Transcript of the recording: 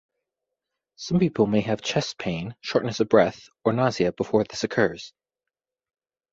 Some people may have chest pain, shortness of breath, or nausea before this occurs.